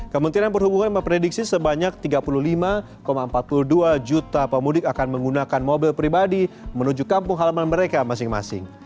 kementerian perhubungan memprediksi sebanyak tiga puluh lima empat puluh dua juta pemudik akan menggunakan mobil pribadi menuju kampung halaman mereka masing masing